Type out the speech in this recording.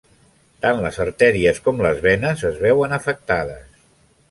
Tant les artèries com les venes es veuen afectades.